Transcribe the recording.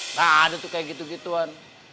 nggak ada tuh kayak gitu gituan